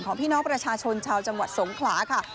พี่น้องประชาชนชาวจังหวัดสงขลาค่ะ